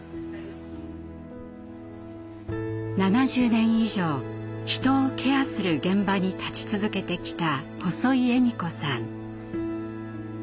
７０年以上人をケアする現場に立ち続けてきた細井恵美子さん。